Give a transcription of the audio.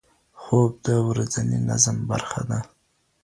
خوب د ورځني نظم برخه ده.